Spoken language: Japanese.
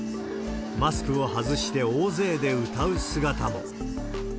マスクを外して大勢で歌う姿も。